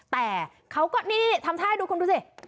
แต่เขาก็นี่ทำท่าให้ดูคุณดูสิ